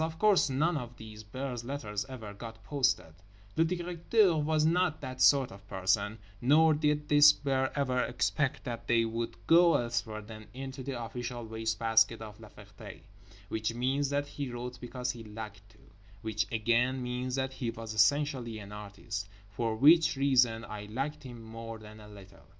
Of course none of this bear's letters ever got posted—Le Directeur was not that sort of person; nor did this bear ever expect that they would go elsewhere than into the official waste basket of La Ferté, which means that he wrote because he liked to; which again means that he was essentially an artist—for which reason I liked him more than a little.